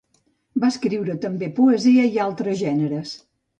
Va escriure també poesia i altres gèneres.